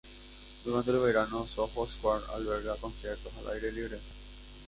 Durante el verano, Soho Square alberga conciertos al aire libre.